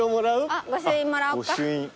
あっ御朱印もらおうか。